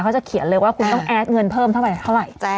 จะเขียนเลยว่าคุณต้องแอดเงินเพิ่มเท่าไหร่